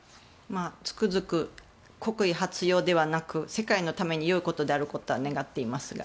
つくづく国威発揚ではなく世界のための良いことであることを願っています。